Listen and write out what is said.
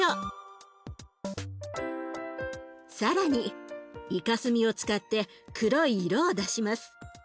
更にイカスミを使って黒い色を出します。